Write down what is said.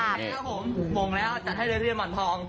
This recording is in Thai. ของแท้ครับผมมงแล้วจัดให้เลือดมันพอง